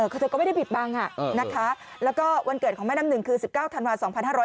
คือเธอก็ไม่ได้ปิดบังนะคะแล้วก็วันเกิดของแม่น้ำหนึ่งคือ๑๙ธันวา๒๕๕๙